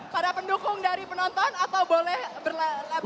para pendukung dari penonton atau boleh berlatih